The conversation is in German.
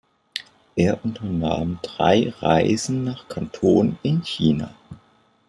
Er unternahm drei Reisen nach Kanton in China.